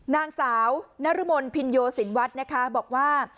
นางสาวนรมนภินโยสินวัฒน์นะคะบอกว่า